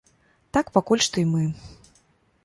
Так пакуль што і мы.